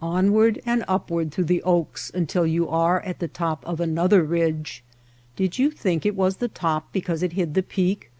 Snoio. Onward and upward through the oaks until you are on the top of another ridge. Did you think it was the top because it hid the peak